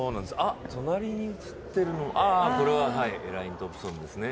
隣に映ってるのはエライン・トンプソンですね。